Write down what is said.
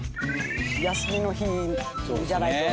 休みの日じゃないと行けない。